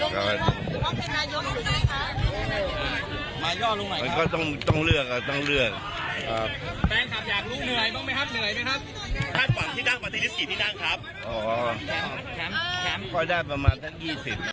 หมักที่ไหนยกอยู่หรือแด่มั้ยคะโอเค